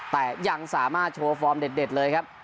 แต่ยังสามารถโชว์ฟอร์มเด็ดเลยครับ